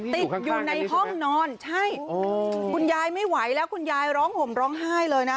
ติดอยู่ในห้องนอนใช่คุณยายไม่ไหวแล้วคุณยายร้องห่มร้องไห้เลยนะ